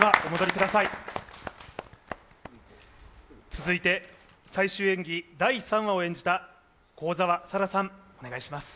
続いて、最終演技第３話を演じた幸澤沙良さんお願いします。